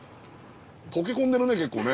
とけ込んでるね結構ね。